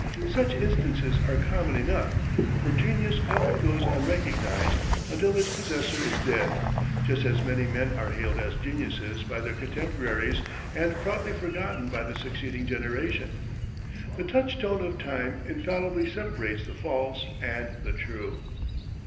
Such instances are common enough, for genius often goes unrecognized until its possessor is dead; just as many men are hailed as geniuses by their contemporaries, and promptly forgotten by the succeeding generation. The touchstone of time infallibly separates the false and the true.